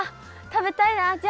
食べたい！